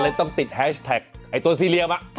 ต้องติดแฮชแท็กไอ้ตัวซีเรียม